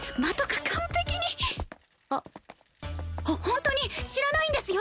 ホントに知らないんですよ！